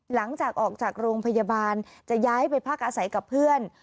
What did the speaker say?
หลังจากออกจากโรงพยาบาลจะย้ายไปพักอาศัยกับเพื่อน